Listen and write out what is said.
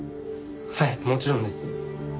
はいもちろんです。